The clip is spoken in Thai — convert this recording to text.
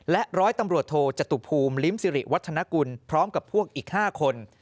ร้อยตำรวจโทจตุภูมิลิ้มสิริวัฒนกุลพร้อมกับพวกอีก๕คน